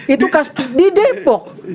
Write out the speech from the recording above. itu di depok